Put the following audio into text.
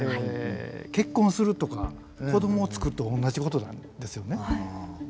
結婚するとか子どもをつくると同じことなんですよね。